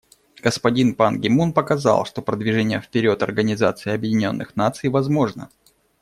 Господин Пан Ги Мун показал, что продвижение вперед Организации Объединенных Наций возможно.